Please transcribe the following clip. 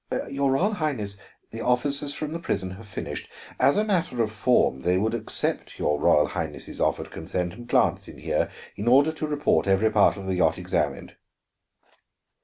"Your Royal Highness, the officers from the prison have finished. As a matter of form, they would accept your Royal Highness' offered consent and glance in here, in order to report every part of the yacht examined."